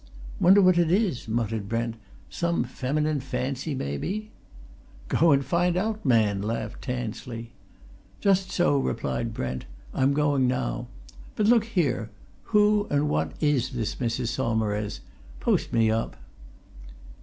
"Wonder what it is?" muttered Brent. "Some feminine fancy maybe." "Go and find out, man!" laughed Tansley. "Just so," replied Brent. "I'm going now. But look here who and what is this Mrs. Saumarez? Post me up."